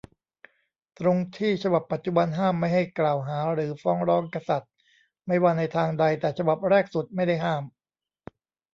ตรงที่ฉบับปัจจุบันห้ามไม่ให้กล่าวหาหรือฟ้องร้องกษัตริย์ไม่ว่าในทางใด แต่ฉบับแรกสุดไม่ได้ห้าม